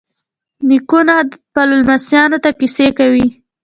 نیکونه خپلو لمسیانو ته کیسې کوي.